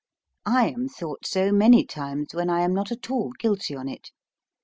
I am thought so, many times, when I am not at all guilty on't.